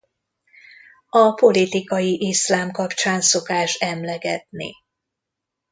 A politikai iszlám kapcsán szokás emlegetni.